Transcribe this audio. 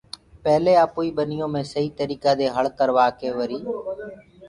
پيلي آپوئي ٻنيو مي سئي تريڪآ دي هݪ ڪروآڪي وري